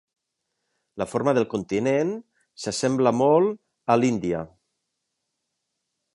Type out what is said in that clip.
La forma del continent s'assembla molt a l'Índia.